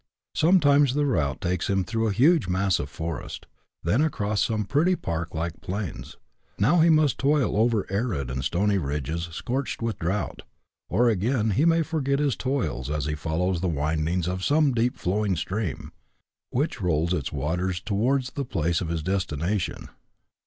Sometimes the route takes him through a huge mass of forest, then across some pretty park like plains ; now he must toil over arid and stony ridges scorched with drought, or, again, he may forget his toils as he follows the windings of some deep flowing stream, which rolls its waters towards the place of his destination.